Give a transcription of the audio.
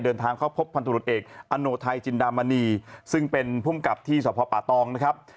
เดินทางเข้าพบพันธุรกิจเอกอโนไทยจินดามณีซึ่งเป็นภูมิกับที่สพป่าตองนะครับ